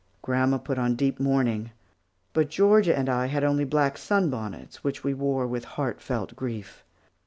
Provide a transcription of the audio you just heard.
Grandma put on deep mourning, but Georgia and I had only black sun bonnets, which we wore with heartfelt grief.